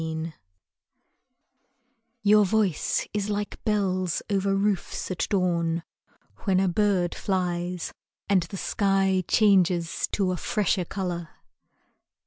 PRIME Your voice is like bells over roofs at dawn When a bird flies And the sky changes to a fresher color.